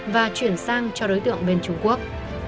và chuyển sang cho đối tượng bên trung quốc